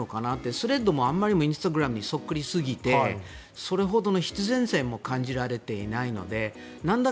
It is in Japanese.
スレッズもあまりにもインスタグラムに似すぎてそれほどの必然性も感じられていないのでなんだ